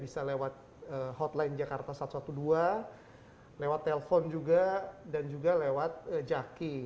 bisa lewat hotline jakarta satu ratus dua belas lewat telpon juga dan juga lewat jaki